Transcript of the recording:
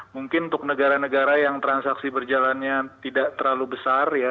mungkin untuk negara negara yang transaksi berjalannya tidak terlalu besar ya